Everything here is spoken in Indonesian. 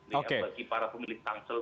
bagi para pemilik tangsel